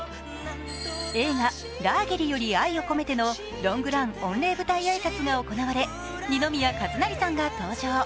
映画「ラーゲリより愛を込めて」のロングラン御礼舞台挨拶が行われ二宮和也さんが登場。